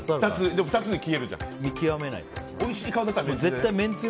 でも２つに消えるじゃん。